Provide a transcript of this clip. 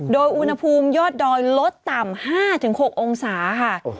โดยอุณหภูมิยอดดอยลดต่ำ๕๖องศาค่ะ